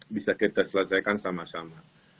bisa kita selesaikan sama sama